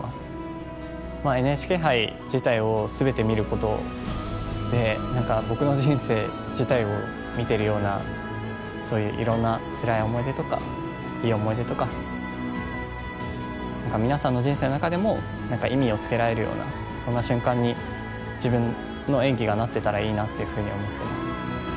ＮＨＫ杯自体を全て見ることで何か僕の人生自体を見てるようなそういういろんなつらい思い出とかいい思い出とか皆さんの人生の中でも何か意味をつけられるようなそんな瞬間に自分の演技がなってたらいいなっていうふうに思ってます。